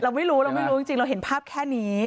เราไม่รู้เราไม่รู้จริงเราเห็นภาพแค่นี้